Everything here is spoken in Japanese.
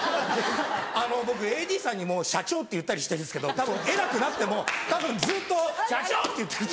あの僕ＡＤさんにも「社長」って言ったりしてるんですけどたぶん偉くなってもずっと社長って言ってると。